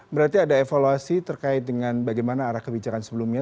berarti ada evaluasi terkait dengan bagaimana arah kebijakan sebelumnya